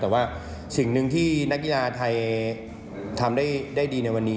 แต่ว่าสิ่งหนึ่งที่นักกีฬาไทยทำได้ดีในวันนี้